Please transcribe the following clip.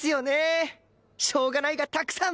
しょうがないがたくさん！